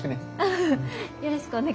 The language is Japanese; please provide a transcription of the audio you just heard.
よろしくね。